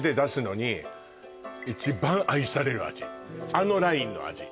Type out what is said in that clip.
あのラインの味